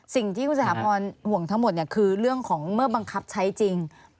สิ่งที่คุณสถาพรห่วงทั้งหมดคือเรื่องของเมื่อบังคับใช้จริง